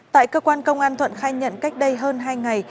tại cơ quan công an thuận khai nhận cách đây hơn hai ngày